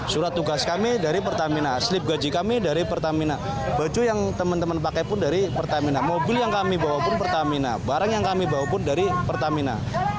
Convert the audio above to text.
surat tugas kami dari pertamina slip gaji kami dari pertamina baju yang teman teman pakai pun dari pertamina mobil yang kami bawa pun pertamina barang yang kami bawa pun dari pertamina